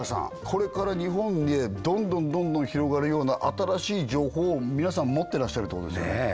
これから日本へどんどんどんどん広がるような新しい情報を皆さん持ってらっしゃるということですよねねえ